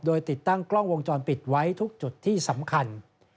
โดยติดตั้งกล้องวงจรปิดไว้ทุกจุดที่สำคัญ